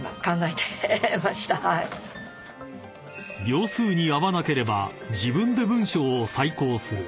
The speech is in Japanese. ［秒数に合わなければ自分で文章を再考する］